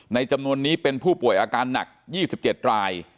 จำนวนนี้เป็นผู้ป่วยอาการหนัก๒๗ราย